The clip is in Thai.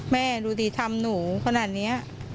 แม่ดูดีทำหนูขนาดเนี้ย